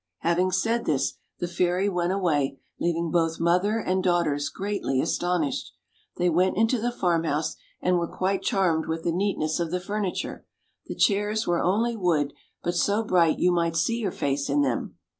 Having said this, the fairy went away, leaving both mother and daughters greatly astonished. They went into the farmhouse, and were quite charmed with the neatness of the furniture; the chairs were only wood, but so bright you might see your face in them.